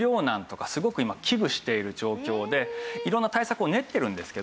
色んな対策を練ってるんですけど。